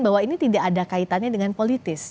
bahwa ini tidak ada kaitannya dengan politis